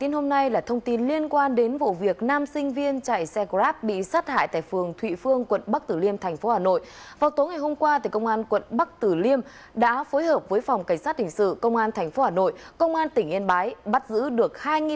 hãy đăng ký kênh để ủng hộ kênh của chúng mình nhé